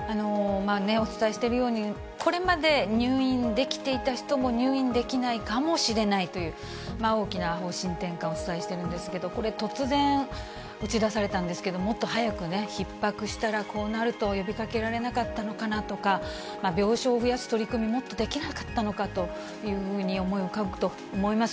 お伝えしているように、これまで入院できていた人も入院できないかもしれないという、大きな方針転換をお伝えしているんですけれども、これ、突然打ち出されたんですけど、もっと早くひっ迫したらこうなると呼びかけられなかったのかなとか、病床を増やす取り組み、もっとできなかったのかというふうに思い浮かぶと思います。